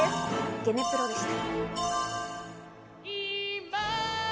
ゲネプロでした。